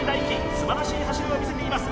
素晴らしい走りを見せています